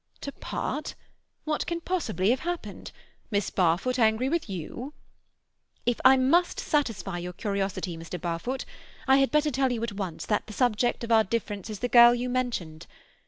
"To part? What can possibly have happened? Miss Barfoot angry with you?" "If I must satisfy your curiosity, Mr. Barfoot, I had better tell you at once that the subject of our difference is the girl you mentioned.